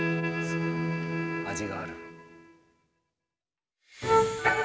味がある。